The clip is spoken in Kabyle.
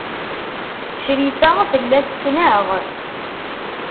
Crifa tella tettnaɣ.